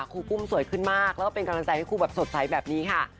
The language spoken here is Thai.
รูปุ้มสวยขึ้นมากแล้วก็เป็นกำลังใจให้ครูแบบสดใสแบบนี้ค่ะ